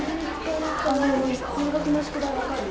数学の宿題わかる？